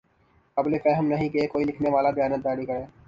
قابل فہم نہیں کہ کوئی لکھنے والا دیانت داری کے